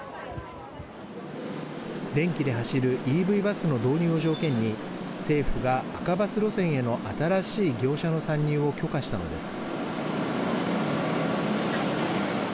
電気で走るＥＶバスの導入を条件に政府が赤バス路線への新しい業者の参入を許可したのです。